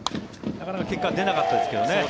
なかなか結果は出なかったですけどね